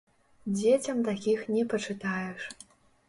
Дзецям такіх не пачытаеш.